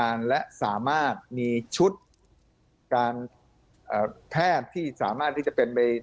ดูโรคออกการและสามารถมีชุดแพทย์ที่จะเป็นไป